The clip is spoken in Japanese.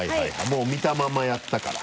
もう見たままやったから。